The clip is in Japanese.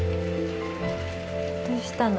どうしたの？